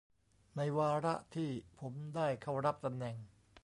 ในวาระที่ผมได้เข้ารับตำแหน่ง